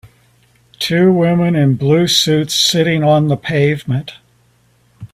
Two women in blue suits sitting on the pavement.